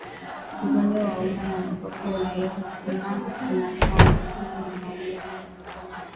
Ugonjwa wa homa ya mapafu unaleta kusimama kunakoambatana na maumivu ya mgongo